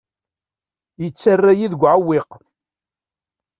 Yettarra-yi deg uɛewwiq.